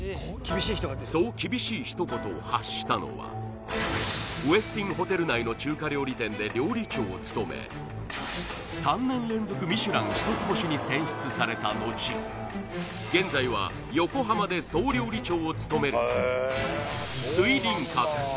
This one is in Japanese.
そうウェスティンホテル内の中華料理店で料理長を務め３年連続ミシュラン一つ星に選出されたのち現在は横浜で総料理長を務める